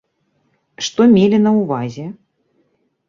Што мелі на ўвазе?